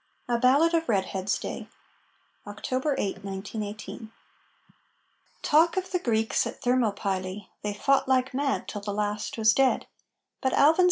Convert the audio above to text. A BALLAD OF REDHEAD'S DAY [October 8, 1918] Talk of the Greeks at Thermopylæ! They fought like mad till the last was dead; But Alvin C.